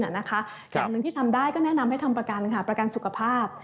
อย่างหนึ่งที่ทำได้ก็แนะนำให้ทำประกันค่ะประกันสุขภาพ